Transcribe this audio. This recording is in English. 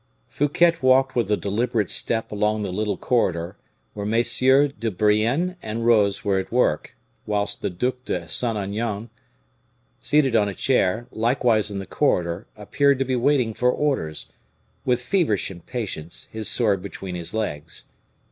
Fouquet walked with a deliberate step along the little corridor, where MM. de Brienne and Rose were at work, whilst the Duc de Saint Aignan, seated on a chair, likewise in the corridor, appeared to be waiting for orders, with feverish impatience, his sword between his legs.